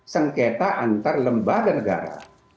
sengketa antar lembaga negara